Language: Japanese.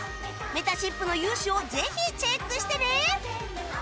めたしっぷの雄姿をぜひチェックしてね！